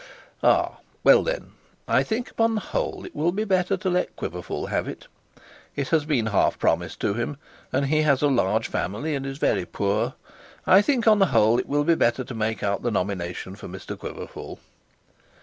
'Ah well then I think upon the whole it will be better to let Mr Quiverful have it. It has been half promised to him, and he has a large family and is very poor. I think on the whole it will be better to make out the nomination for Mr Quiverful.'